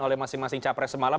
oleh masing masing capres semalam